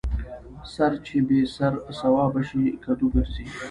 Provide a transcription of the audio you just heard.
ـ سر چې بې سر سوابه شي کدو ګرځي.